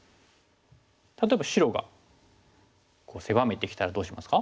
例えば白がこう狭めてきたらどうしますか？